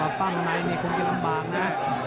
ว่าบ้างในนี่คงไม่ร่ำบากนะ